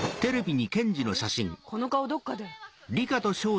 この顔どっかで。